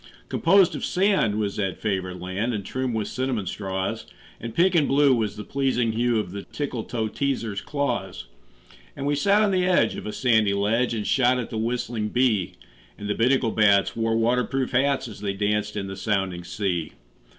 Composed of sand was that favored land, And trimmed with cinnamon straws; And pink and blue was the pleasing hue Of the Tickletoeteaser's claws. And we sat on the edge of a sandy ledge And shot at the whistling bee; And the Binnacle bats wore water proof hats As they danced in the sounding sea.